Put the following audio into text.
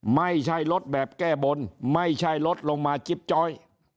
ไม่ใช่ลดแบบแก้บนไม่ใช่ลดลงมาจิ๊บจ้อย